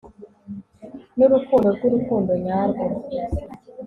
n'urukundo rw'urukundo nyarwo